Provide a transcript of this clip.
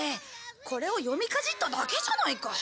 これを読みかじっただけじゃないか！